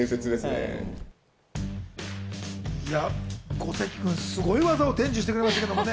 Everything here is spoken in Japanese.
五関君、すごい技を伝授してくれましたけどね。